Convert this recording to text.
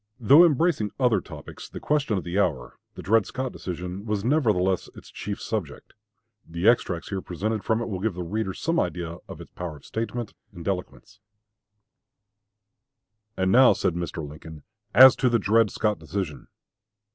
Though embracing other topics, the question of the hour, the Dred Scott decision, was nevertheless its chief subject. The extracts here presented from it will give the reader some idea of its power of statement and eloquence: And now [said Mr. Lincoln] as to the Dred Scott decision.